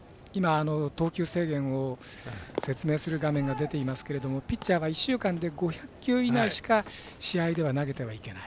投球制限を説明する画面が出ていますけどピッチャーは１週間で５００球以内では試合では投げてはいけない。